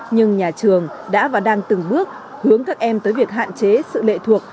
nhưng nhà trường đã và đang từng bước hướng các em tới việc hạn chế sự lệ thuộc